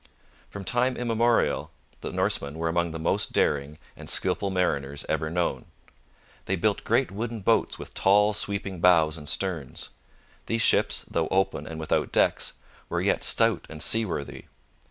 From time immemorial the Norsemen were among the most daring and skilful mariners ever known. They built great wooden boats with tall, sweeping bows and sterns. These ships, though open and without decks, were yet stout and seaworthy.